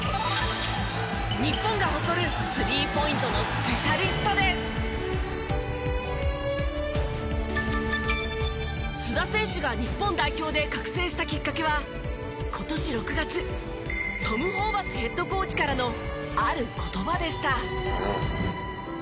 日本が誇る須田選手が日本代表で覚醒したきっかけは今年６月トム・ホーバスヘッドコーチからのある言葉でした。